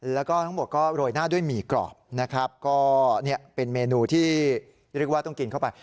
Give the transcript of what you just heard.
แล้วก็ทั้งหมดก็โรยหน้าด้วยหมี่กรอบนะครับก็เนี่ยเป็นเมนูที่เรียกว่าต้องกินเข้าไป